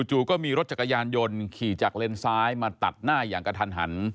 จู่ก็มีรถจักรยานยนต์ขี่จากเลนซ้ายมาตัดหน้าอย่างกระทันหัน